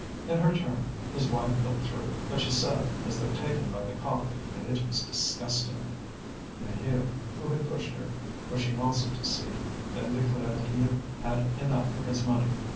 In her turn his wife looked through, but she said, as though taken by the colic, that it was disgusting. Maheu, who had pushed her, wishing also to see, then declared that he had had enough for his money.